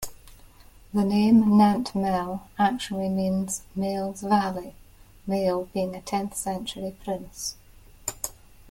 The name 'Nantmel' actually means 'Mael's valley', Mael being a tenth-century prince.